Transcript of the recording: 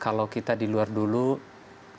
kalau kita di luar dulu kita harus mengelola esdm